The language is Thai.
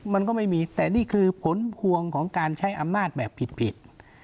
มันก็ไม่มีแต่นี่คือผลพวงของการใช้อำนาจแบบผิด